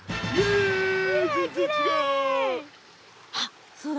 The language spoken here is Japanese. あっそうだ。